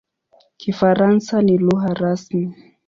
Kifaransa ni lugha rasmi.